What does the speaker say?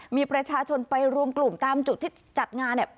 มีประชาชนไปรวมกลุ่มตามจุดที่จัดงานเนี่ย